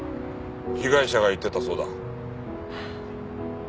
被害者が言ってたそうだ。